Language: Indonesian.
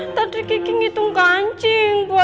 iya kah lebih gini itungkan cimpu